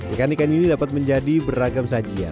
ikan ikan ini dapat menjadi beragam sajian